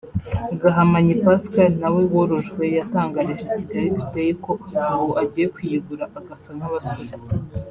Gahamanyi Pascal nawe worojwe yatangarije Kigali Today ko ubu agiye kwiyubura agasa nk’abasore